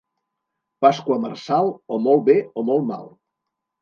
Pasqua marçal, o molt bé o molt mal.